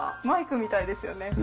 マイクみたいですよね。